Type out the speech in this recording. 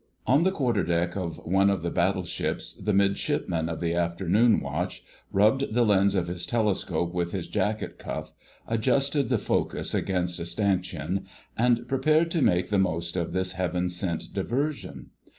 On the quarterdeck of one of the Battleships the Midshipman of the Afternoon Watch rubbed the lense of his telescope with his jacket cuff, adjusted the focus against a stanchion, and prepared to make the most of this heaven sent diversion.